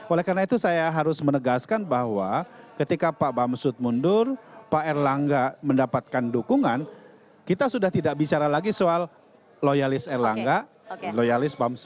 oleh karena itu saya harus menegaskan bahwa ketika pak bamsud mundur pak erlangga mendapatkan dukungan kita sudah tidak bicara lagi soal loyalis erlangga loyalis bamsud